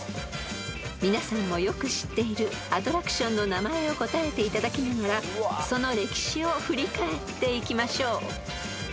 ［皆さんもよく知っているアトラクションの名前を答えていただきながらその歴史を振り返っていきましょう］